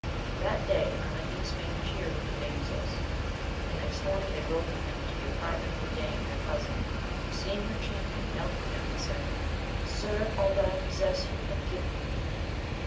HAT day Amadis made cheer with the dam* sels ; the next morning they rode with him to the apartment of the dame their cousin, who seeing her champion, knelt to him and said, Sir, all that I possess you have given me